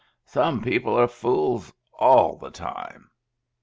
Some people are fools all the time.